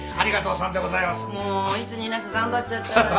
もういつになく頑張っちゃったわよ。